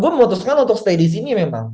gue memutuskan untuk stay disini gitu kan